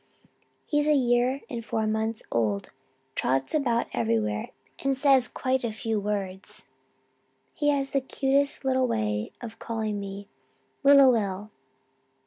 He's a year and four months old, trots about everywhere, and says quite a few words. He has the cutest little way of calling me "Willa will."